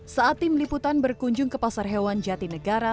saat tim liputan berkunjung ke pasar hewan jati negara